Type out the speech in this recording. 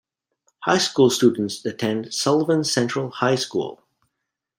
High school students attend Sullivan Central High School.